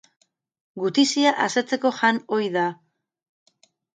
Gutizia asetzeko jan ohi da.